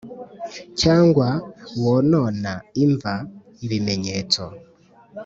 Cyangwa wonona imva ibimenyetso